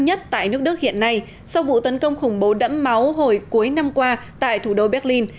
nhất tại nước đức hiện nay sau vụ tấn công khủng bố đẫm máu hồi cuối năm qua tại thủ đô berlin